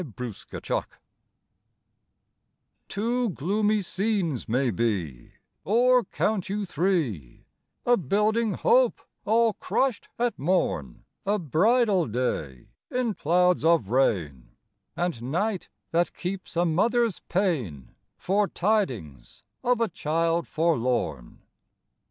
THE HAPPY TIME Two gloomy scenes may be, Or count you three: A building hope all crushed at morn, A bridal day in clouds of rain, And night that keeps a mother's pain For tidings of a child forlorn.